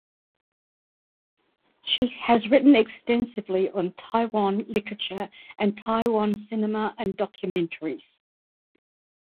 She has written extensively on Taiwan literature and Taiwan cinema and documentaries.